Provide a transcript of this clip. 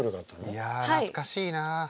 いや懐かしいな。